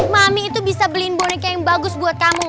mami itu bisa beliin boneka yang bagus buat kamu